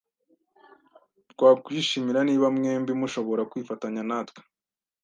Twakwishimira niba mwembi mushobora kwifatanya natwe.